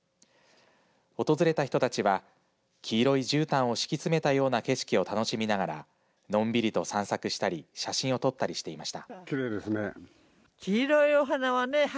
訪れた人たちは黄色いじゅうたんを敷き詰めたような景色を楽しみながらのんびりと散策したり写真を撮ったりしていました。